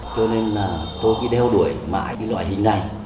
cho nên là tôi cứ đeo đuổi mãi cái loại hình này